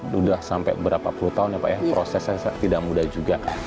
sudah sampai berapa puluh tahun ya pak ya prosesnya tidak mudah juga